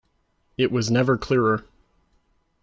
It was never clearer.